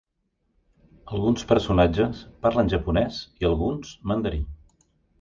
Alguns personatges parlen japonès i, alguns, mandarí.